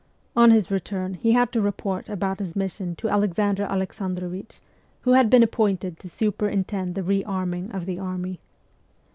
On his return he had to report about his mission to Alexander Alexandrovich, who had been appointed to superintend the re arming of the army.